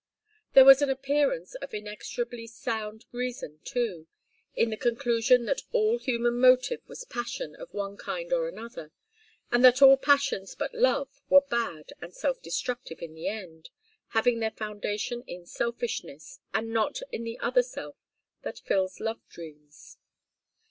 There was an appearance of inexorably sound reason, too, in the conclusion that all human motive was passion of one kind or another, and that all passions but love were bad and self destructive in the end, having their foundation in selfishness, and not in the other self that fills love dreams.